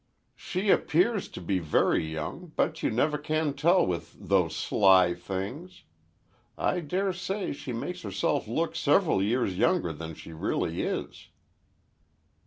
"She appears to be very young—but you never can tell with those sly things. I daresay she makes herself look several years younger than she really is."